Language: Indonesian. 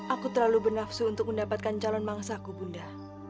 aku terlalu bernafsu untuk mendapatkan calon mangsa aku bunda